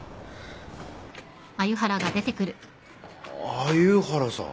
鮎原さん。